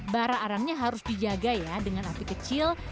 bara arangnya harus dijaga ya dengan api kecil